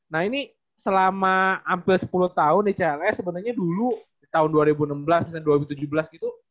nah ini selama hampir sepuluh tahun di cls sebenarnya dulu di tahun dua ribu enam belas misalnya dua ribu tujuh belas gitu